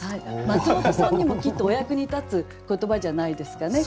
マツモトさんにもきっとお役に立つ言葉じゃないですかね。